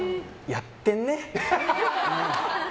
やってんね。